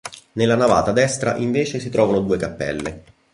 Nella navata destra invece si trovano due cappelle.